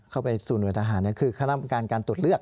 เข้าไปสู่หน่วยทหารคือคณะกรรมการการตรวจเลือก